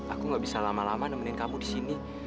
aku gak bisa lama lama nemenin kamu disini